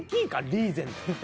リーゼントって。